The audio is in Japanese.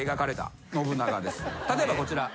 例えばこちら。